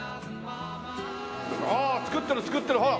ああっ作ってる作ってるほら。